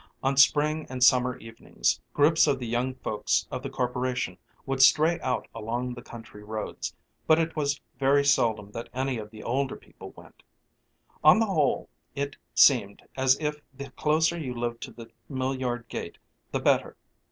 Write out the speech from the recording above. On spring and summer Sundays, groups of the young folks of the Corporation would stray out along the country roads, but it was very seldom that any of the older people went. On the whole, it seemed as if the closer you lived to the mill yard gate, the better.